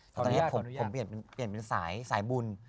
ตอนนี้ผมเปลี่ยนสายบุญ